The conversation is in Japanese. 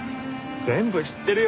全部知ってるよ。